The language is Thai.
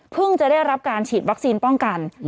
จะได้รับการฉีดวัคซีนป้องกัน